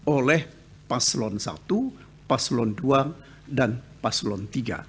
oleh paslon satu paslon dua dan paslon tiga